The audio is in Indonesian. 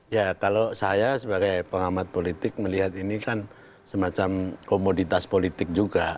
ya kalau saya sebagai pengamat politik melihat ini kan semacam komoditas politik juga